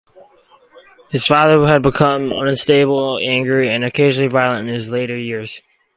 His father had become unstable, angry and occasionally violent in his later years.